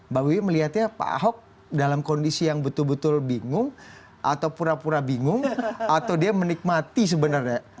mbak wiwi melihatnya pak ahok dalam kondisi yang betul betul bingung atau pura pura bingung atau dia menikmati sebenarnya